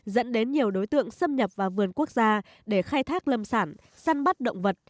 dẫn đến nhiều đối tượng xâm nhập vào vườn quốc gia để khai thác lâm sản săn bắt động vật